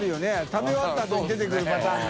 食べ終わったあとに出てくるパターンね。